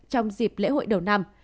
trong dịp lễ hội đầu năm